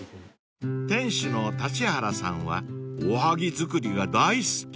［店主の立原さんはおはぎ作りが大好き］